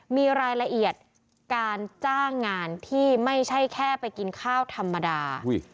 มีรายละเอียดการจ้างงานที่ไม่ใช่แค่ไปกินข้าวธรรมดา